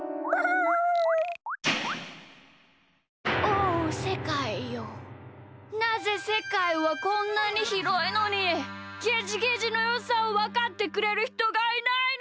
おおせかいよなぜせかいはこんなにひろいのにゲジゲジのよさをわかってくれるひとがいないのだ！